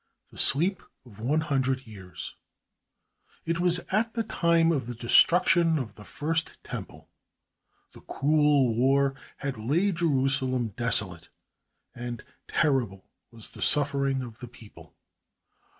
The Sleep of One Hundred Years It was at the time of the destruction of the First Temple. The cruel war had laid Jerusalem desolate, and terrible was the suffering of the people.